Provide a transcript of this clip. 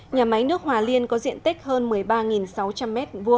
nhà máy nước hòa liên có diện tích hơn một mươi ba sáu trăm linh m hai